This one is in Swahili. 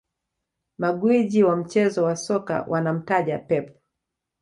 Magwiji wa mchezo wa soka wanamtaja Pep